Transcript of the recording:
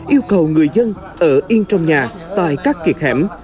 yêu cầu người dân ở yên trong nhà tại các kiệt hẻm